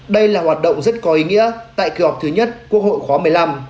đây là hoạt động rất có ý nghĩa tại kỳ họp thứ nhất quốc hội khóa một mươi năm